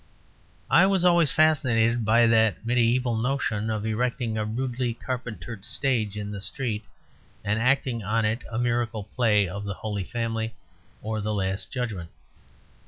I was always fascinated by that mediæval notion of erecting a rudely carpentered stage in the street, and acting on it a miracle play of the Holy Family or the Last Judgment.